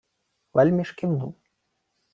Вельміж кивнув.